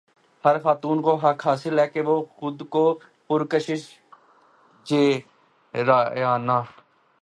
ہر خاتون کو حق حاصل ہے کہ وہ خود کو پرکشش سمجھے ریانا